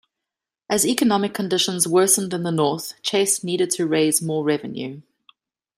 As economic conditions worsened in the North, Chase needed to raise more revenue.